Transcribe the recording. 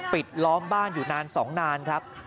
ปิดล้อมบ้านอยู่นาน๒นานครับ